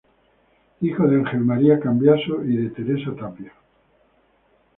Hijo de Ángel María Cambiaso y de Teresa Tapia.